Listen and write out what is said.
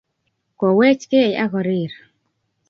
Kowechkei ak koriir